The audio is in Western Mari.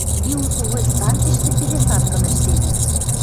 Ти узловой станциштӹ пересадкым ӹштевӹ.